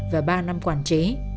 và ba năm quản chế